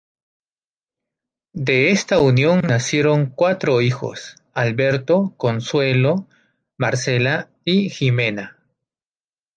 De esta unión nacieron cuatro hijos: Alberto, Consuelo, Marcela y Ximena.